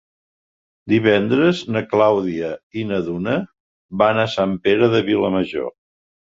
Divendres na Clàudia i na Duna van a Sant Pere de Vilamajor.